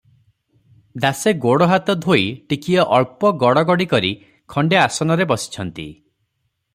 ଦାସେ ଗୋଡ଼ ହାତ ଧୋଇ ଟିକିଏ ଅଳ୍ପ ଗଡ଼ ଗଡ଼ି କରି ଖଣ୍ଡେ ଆସନରେ ବସିଛନ୍ତି ।